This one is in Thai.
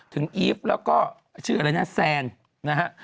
อีฟแล้วก็ชื่ออะไรนะแซนนะฮะ